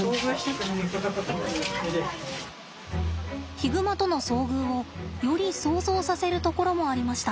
ヒグマとの遭遇をより想像させるところもありました。